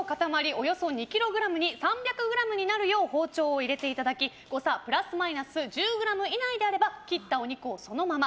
およそ２ｋｇに３００ｇになるよう包丁を入れていただき誤差プラスマイナス１０ｇ以内であれば切ったお肉をそのまま。